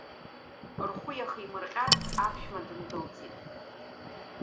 Рхәы иахимырҟьарц, аԥшәма дындәылҵит.